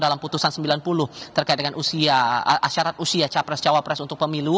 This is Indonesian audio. dalam putusan sembilan puluh terkait dengan usia syarat usia capres cawapres untuk pemilu